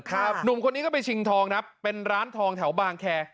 หนุ่มคนนี้ก็ไปชิงทองครับเป็นร้านทองแถวบางแคร์